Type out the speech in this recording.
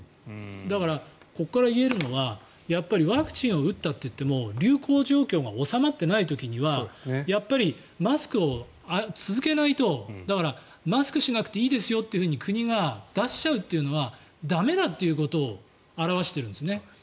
だからここから言えるのはワクチンを打ったといっても流行状況が収まっていない時はやっぱりマスクを続けないとマスクしなくていいですよって国が出しちゃうというのは駄目だということを表してるんですね。